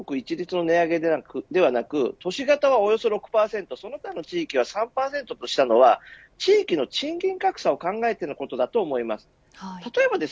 ガストが全国一律での値上げではなく都市型はおよそ６％その他の地域は３％としたのは地域の賃金格差を考えてのことだと思います。